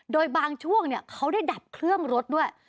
โดยบางช่วงเขาได้ดับเครื่องรถด้วย